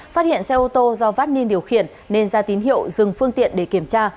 phát hiện xe ô tô do phát niên điều khiển nên ra tín hiệu dừng phương tiện để kiểm tra